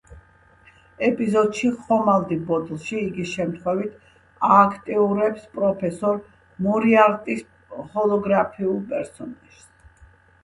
ეპიზოდში „ხომალდი ბოთლში“ იგი შემთხვევით ააქტიურებს პროფესორ მორიარტის ჰოლოგრაფიულ პერსონაჟს.